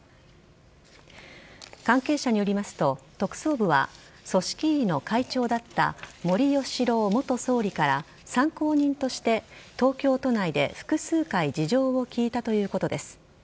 関係者によりますと特捜部は組織委の会長だった森喜朗元総理から参考人として東京都内で複数回事情を聴いたということです。